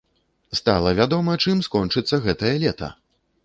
Стала вядома, чым скончыцца гэтае лета!